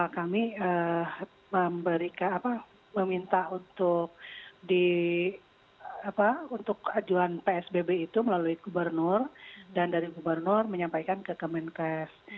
kami meminta untuk ajuan psbb itu melalui gubernur dan dari gubernur menyampaikan ke kemenkes